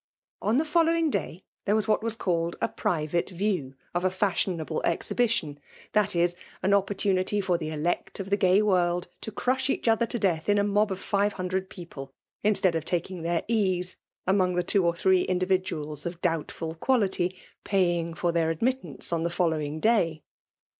On the following day there was what is called a *' pri* vate view" of a fiishionable exhibition ;— that TEMALE DOMINATION. 281 is, an opportunity for the elect of the gay world to crush each other to death, in a mob of five hundred people ; instead of taking their ease, among the two or tluree indivi duals of doubtful ' quality paying for their admittance on the following day.